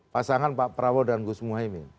pasangan pak prabowo dan gus muhaymin